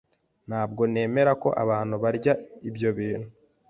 Ntabwo nemera ko abantu barya ibyo bintu.